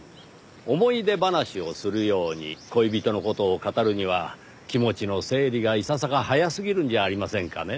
思い出話をするように恋人の事を語るには気持ちの整理がいささか早すぎるんじゃありませんかねぇ。